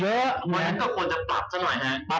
เพราะฉะนั้นก็ควรจะปรับซะหน่อยฮะ